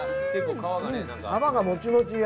皮がモチモチで。